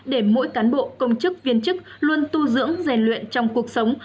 để mỗi cán bộ công chức viên chức luôn tu dưỡng rèn luyện trong cuộc sống